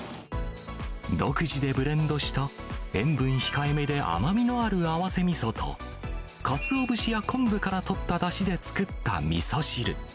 独自でブレンドした、塩分控えめで甘みのある合わせみそと、かつおぶしや昆布から取っただしで作ったみそ汁。